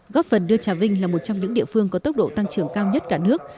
góp phần đưa trà vinh là một trong những địa phương có tốc độ tăng trưởng cao nhất cả nước